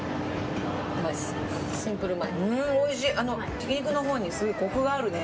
ひき肉のほうにすごいコクがあるね。